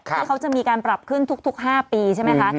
ที่เขาจะมีการปรับขึ้นทุก๕ปีใช่ไหมคะ